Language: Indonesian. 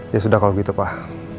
ya sudah kalau begitu pak